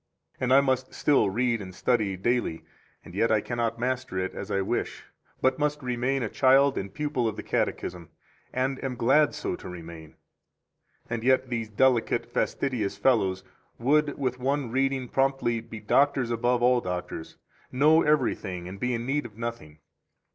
And I must still read and study daily, and yet I cannot master it as I wish, 8 but must remain a child and pupil of the Catechism, and am glad so to remain. And yet these delicate, fastidious fellows would with one reading promptly be doctors above all doctors, know everything and be in need of nothing.